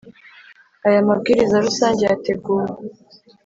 Aya mabwiriza rusange yateguwe.